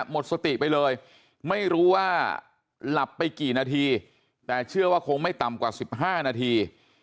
หมดสติไปเลยไม่รู้ว่าหลับไปกี่นาทีแต่เชื่อว่าคงไม่ต่ำกว่า๑๕นาที